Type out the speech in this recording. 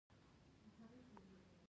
شطرنج په هند کې اختراع شوی.